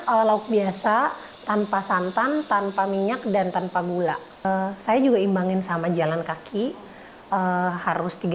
kalau lauk biasa tanpa santan tanpa minyak dan tanpa gula saya juga imbangin sama jalan kaki harus tiga